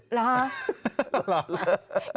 หลเหอะ